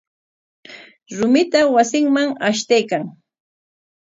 Rumita wasinman ashtaykan.